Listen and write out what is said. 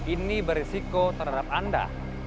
ini berisiko terhadap anda